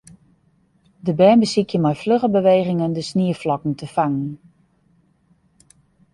De bern besykje mei flugge bewegingen de snieflokken te fangen.